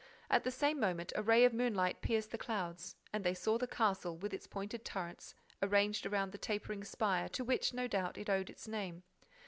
At the same moment a ray of moonlight pierced the clouds; and they saw the castle, with its pointed turrets arranged around the tapering spire to which, no doubt, it owed its name.